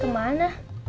ke es campur jalan makmur